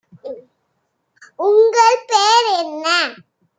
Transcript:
உங்கள் பெயர் என்ன?